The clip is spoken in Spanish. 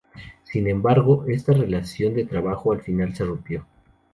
Sin embargo, esta relación de trabajo al final se rompió.